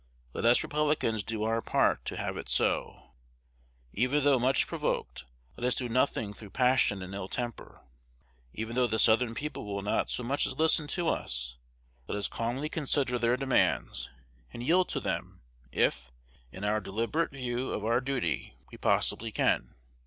Let us Republicans do our part to have it so. Even though much provoked, let us do nothing through passion and ill temper. Even though the Southern people will not so much as listen to us, let us calmly consider their demands, and yield to them if, in our deliberate view of our duty, we possibly can.